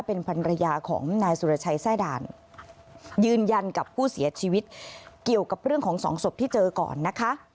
เป็นพันรยาของนายสุรชัยแทร่ด่านยืนยันกับผู้เสียชีวิตเกี่ยวกับเรื่องของสองศพที่เจอก่อนนะคะ